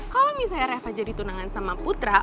kalau misalnya reva jadi tunangan sama putra